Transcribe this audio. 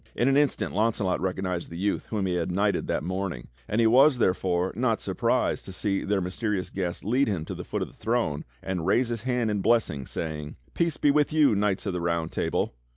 In an instant Launcelot recognized the youth whom he had knighted that morning; and he was, therefore, not surprised to see their mysterious guest lead him to the foot of the throne and raise his hand in blessing, saying: "Peace be with you, knights of the Round Table!"